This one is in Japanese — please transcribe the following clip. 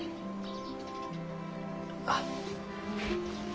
あっ。